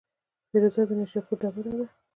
فیروزه د نیشاپور ډبره ده.